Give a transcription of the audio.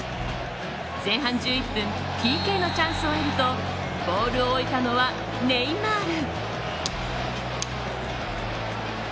前半１１分ＰＫのチャンスを得るとボールを置いたのはネイマール。